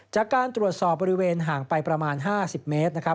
จากการตรวจสอบบริเวณห่างไปประมาณ๕๐เมตร